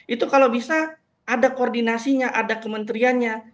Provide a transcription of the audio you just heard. itu kalau bisa ada koordinasinya ada kementeriannya